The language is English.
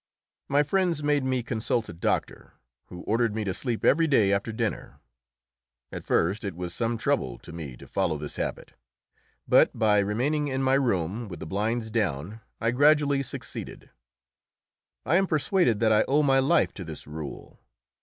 My friends made me consult a doctor, who ordered me to sleep every day after dinner. At first it was some trouble to me to follow this habit, but by remaining in my room with the blinds down I gradually succeeded. I am persuaded that I owe my life to this rule.